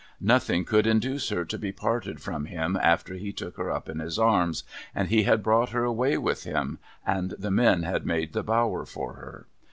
Nothing could induce her to be parted from him after he took her up in his arms, and he had brought her away with him, and the men had made the bower for her.